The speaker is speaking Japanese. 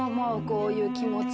こういう気持ち。